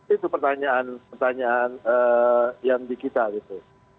itu pertanyaan pertanyaan yang di kita gitu